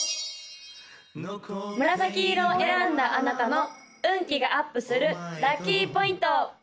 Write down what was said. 紫色を選んだあなたの運気がアップするラッキーポイント！